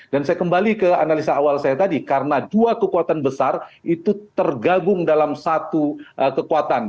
dan saya kembali ke analisa awal saya tadi karena dua kekuatan besar itu tergabung dalam satu kekuatan